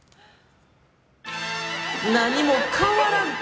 何も変わらんて！